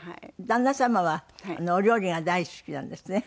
旦那様はお料理が大好きなんですってね。